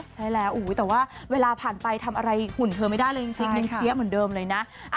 ใช่แล้วแต่ว่าเวลาผ่านไปทำอะไรหุ่นเธอไม่ได้เลยจริงยังเสียเหมือนเดิมเลยนะ